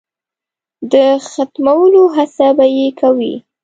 د ختمولو هڅه به یې کوي.